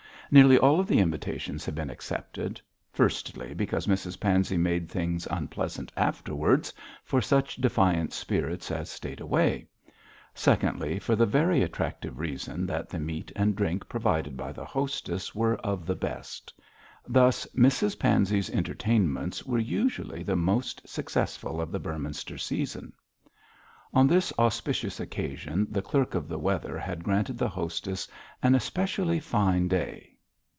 Nearly all the invitations had been accepted; firstly, because Mrs Pansey made things unpleasant afterwards for such defiant spirits as stayed away; secondly, for the very attractive reason that the meat and drink provided by the hostess were of the best. Thus Mrs Pansey's entertainments were usually the most successful of the Beorminster season. On this auspicious occasion the clerk of the weather had granted the hostess an especially fine day.